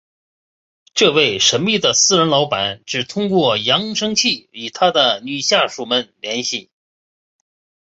这位神秘的私人老板只通过扬声器与他的女下属们联系。